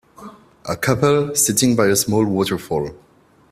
a couple sitting by a small waterfall.